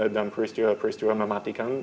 dan peristiwa peristiwa mematikan